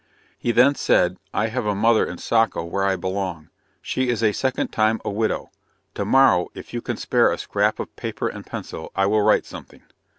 He then said, "I have a mother in Saco where I belong she is a second time a widow to morrow if you can spare a scrap of paper and pencil I will write something."